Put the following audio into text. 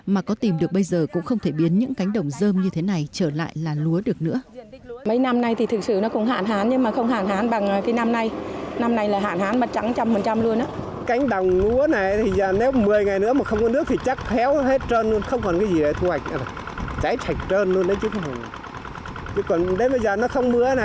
mà có tìm được bây giờ cũng không thể biến những cánh đồng dơm như thế này trở lại là lúa được nữa